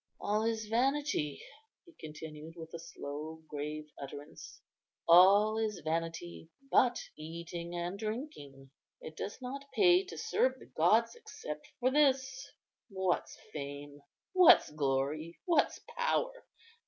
"All is vanity," he continued, with a slow, grave utterance, "all is vanity but eating and drinking. It does not pay to serve the gods except for this. What's fame? what's glory? what's power?